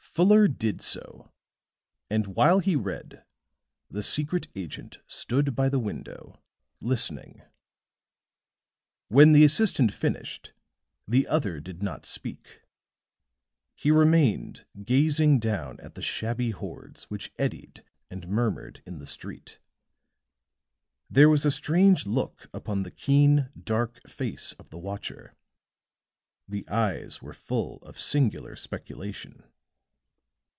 Fuller did so, and while he read, the secret agent stood by the window, listening. When the assistant finished the other did not speak; he remained gazing down at the shabby hordes which eddied and murmured in the street. There was a strange look upon the keen, dark face of the watcher; the eyes were full of singular speculation.